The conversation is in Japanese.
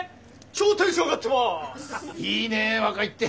いいねえ若いって。